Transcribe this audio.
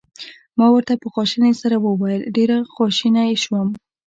ما ورته په خواشینۍ سره وویل: ډېر خواشینی شوم.